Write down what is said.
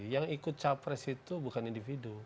yang ikut capres itu bukan individu